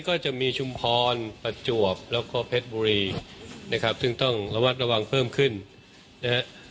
ก็จะมีชุมพรประจวบแล้วก็เพชรบุรีนะครับซึ่งต้องระวัดระวังเพิ่มขึ้นนะฮะ